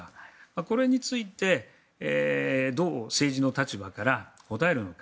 これについてどう政治の立場から答えるのか。